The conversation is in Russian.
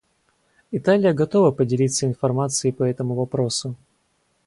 Италия готова поделиться информацией по этому вопросу.